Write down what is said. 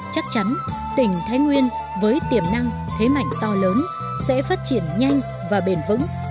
chắc chắn tỉnh thái nguyên với tiềm năng thế mạnh to lớn sẽ phát triển nhanh và bền vững